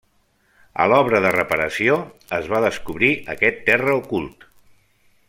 A l'obra de reparació es va descobrir aquest terra ocult.